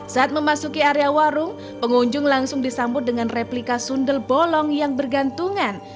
saat memasuki area warung pengunjung langsung disambut dengan replika sundel bolong yang bergantungan